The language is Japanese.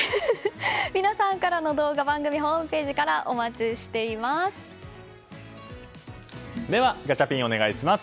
皆さんからの動画番組ホームページからでは、ガチャピンお願いします。